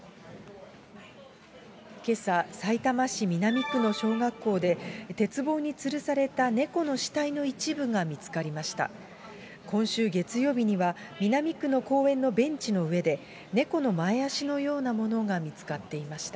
けさ、さいたま市南区の小学校で、鉄棒につるされた猫の死体の一部が見つかりました。